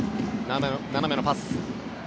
斜めのパス。